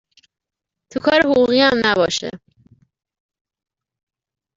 .تو کار حقوقی هم نباشه